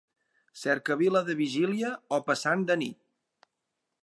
Cercavila de vigília o passant de nit.